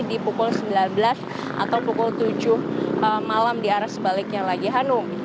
di pukul sembilan belas atau pukul tujuh malam di arah sebaliknya lagi hanum